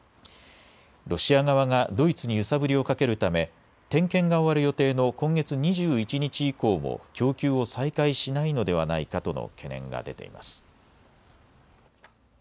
ロシア側がドイツに揺さぶりをかけるため点検が終わる予定の今月２１日以降も供給を再開しないのではないかとの懸念が出ています。